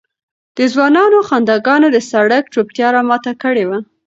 د ځوانانو خنداګانو د سړک چوپتیا را ماته کړې وه.